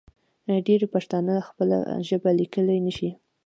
ډېری پښتانه خپله ژبه لیکلی نشي.